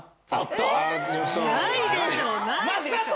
ないでしょ！